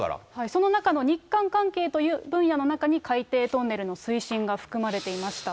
その中の日韓関係という分野の中に、海底トンネルの推進が含まれていました。